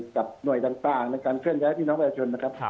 กับหน่วยต่างในการเคลื่อนย้ายพี่น้องประชาชนนะครับ